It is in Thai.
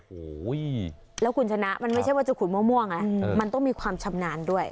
โอ้โหแล้วคุณชนะมันไม่ใช่ว่าจะขุดมั่วไงมันต้องมีความชำนาญด้วย